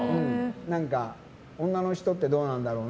女の人ってどうなんだろうな